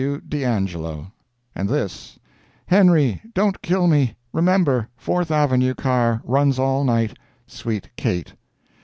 W. DE ANGELO." And this: "HENRY—DON'T KILL ME. REMEMBER, FOURTH AVENUE car runs all night. SWEET KATE."